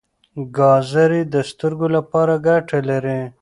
ګازرې د سترګو لپاره ګټه لري.